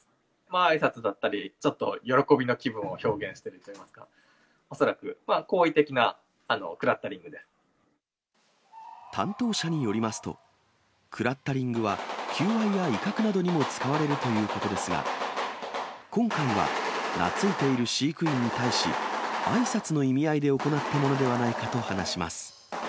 あいさつだったり、ちょっと喜びの気分を表現しているといいますか、恐らく、好意的担当者によりますと、クラッタリングは求愛や威嚇などにも使われるということですが、今回は懐いている飼育員に対し、あいさつの意味合いで行ったものではないかと話します。